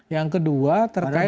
yang kedua terkait